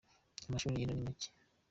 Amashuri yino ni make.